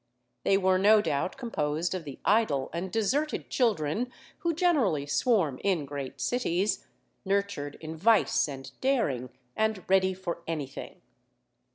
They were no doubt composed of the idle and deserted children who generally swarm in great cities, nurtured in vice and daring, and ready for any thing.